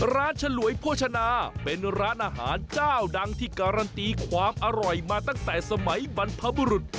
ฉลวยโภชนาเป็นร้านอาหารเจ้าดังที่การันตีความอร่อยมาตั้งแต่สมัยบรรพบุรุษ